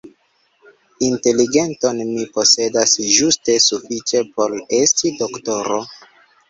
Inteligenton mi posedas ĝuste sufiĉe por esti doktoro.